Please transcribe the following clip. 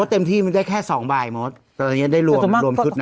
โทษเต็มที่มันได้แค่สองบ่ายเมาส์ตอนเนี้ยได้รวมรวมชุดนั้น